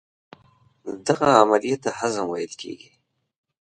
دغې عملیې ته هضم ویل کېږي.